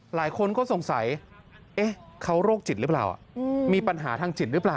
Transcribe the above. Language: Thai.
หลายคนก็สงสัยเขาโรคจิตหรือเปล่ามีปัญหาทางจิตหรือเปล่า